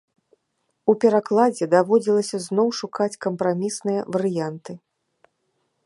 У перакладзе даводзілася зноў шукаць кампрамісныя варыянты.